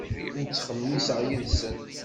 Ur ttxemmiseɣ yid-sen.